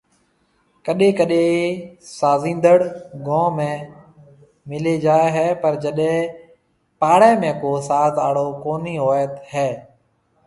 ڪڏيَ ڪڏيَ سازيندڙ گون ۾ مليَ جائيَ هي پر جڏيَ پاݪيَ ۾ ڪو ساز آڙو ڪونِهي هوئيَ هيَ